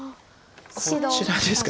こちらですか。